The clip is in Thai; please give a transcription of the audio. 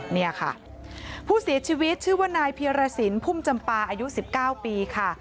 เนี่ยค่ะผู้เสียชีวิตชื่อว่านายเพียรสินพุ่มจำปาอายุ๑๙ปีค่ะ